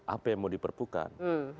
apa yang mau diperpukan